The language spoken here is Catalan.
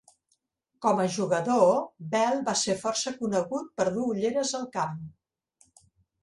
Com a jugador, Bell va ser força conegut per dur ulleres al camp.